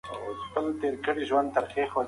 دغه اسناد د مدير له خوا رالېږل شوي دي.